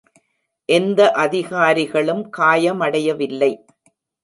எந்த அதிகாரிகளும் காயமடையவில்லை.